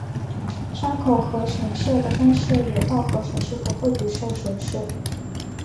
沙河口神社的分社有稻荷神社和惠比寿神社。